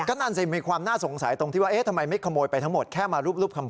ก็นั่นสิมีความน่าสงสัยตรงที่ว่าเอ๊ะทำไมไม่ขโมยไปทั้งหมดแค่มารูปคำ